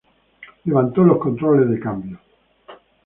Levantó los controles de cambio.